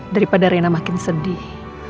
daripada rena makin sedih